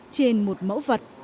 trên một mẫu vật